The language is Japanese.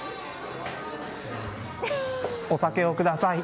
お酒をください。